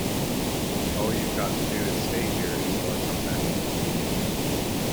All you’ve got to do is to stay here till I come back.